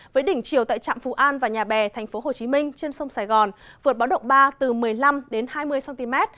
với đỉnh chiều tại trạm phù an và nhà bè thành phố hồ chí minh trên sông sài gòn vượt báo động ba từ một mươi năm hai mươi cm